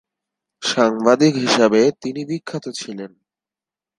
সাংবাদিক হিসাবে তিনি বিখ্যাত ছিলেন।